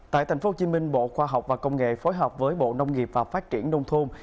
tại tp hcm bộ khoa học và công nghệ phối hợp với bộ nông nghiệp và phát triển nông thôn